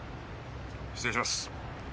失礼します。